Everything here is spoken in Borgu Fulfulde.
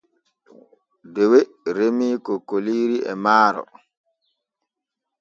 Dewe remii kokkoliiri e maaro.